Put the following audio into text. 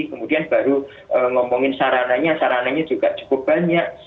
kemudian baru ngomongin sarananya sarananya juga cukup banyak